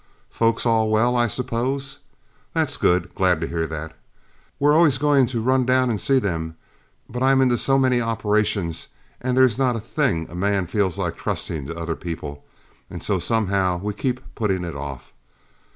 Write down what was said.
Folks all well, I suppose? That's good glad to hear that. We're always going to run down and see them, but I'm into so many operations, and they're not things a man feels like trusting to other people, and so somehow we keep putting it off.